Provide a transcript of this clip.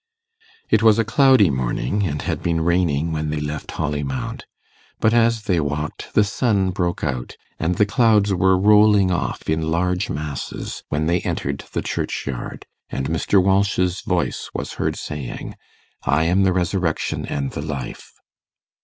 It was a cloudy morning, and had been raining when they left Holly Mount; but as they walked, the sun broke out, and the clouds were rolling off in large masses when they entered the churchyard, and Mr. Walsh's voice was heard saying, 'I am the Resurrection and the Life'.